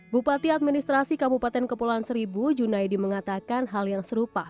bupati administrasi kepulauan seribu junaydi mengatakan hal yang serupa